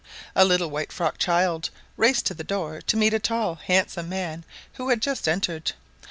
A little white frocked child raced to the door to meet a tall, handsome man who had just entered.